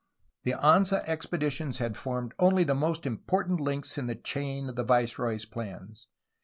The Anza expeditions had formed only the most important links in the chain of the viceroy's plans.